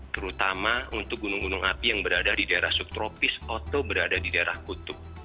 terutama untuk gunung gunung api yang berada di daerah subtropis atau berada di daerah kutub